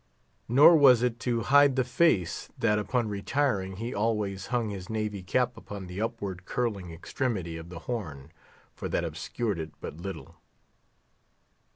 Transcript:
Nor was it to hide the face, that upon retiring, he always hung his Navy cap upon the upward curling extremity of the horn, for that obscured it but little.